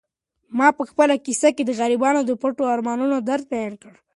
ما په خپله کیسه کې د غریبانو د پټو ارمانونو درد بیان کړ.